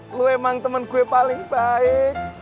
gue emang temen gue paling baik